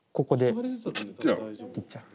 切っちゃう。